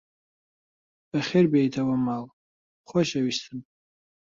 بەخێربێیتەوە ماڵ، خۆشەویستم!